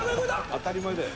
当たり前だよ。